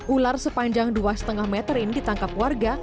ular sepanjang dua lima meter ini ditangkap warga